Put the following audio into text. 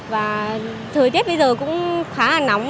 và thời tiết bây giờ cũng khá là nóng